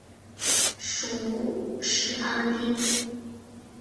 属始安郡。